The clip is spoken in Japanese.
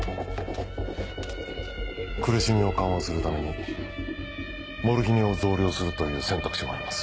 苦しみを緩和するためにモルヒネを増量するという選択肢もあります。